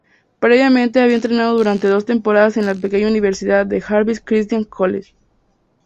Previamente había entrenado durante dos temporadas en la pequeña universidad de Jarvis Christian College.